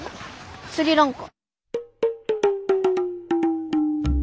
スリランカ。